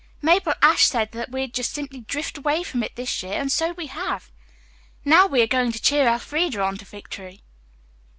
Mabel Ashe said that we'd just simply drift away from it this year, and so we have. Now we are going to cheer Elfreda on to victory."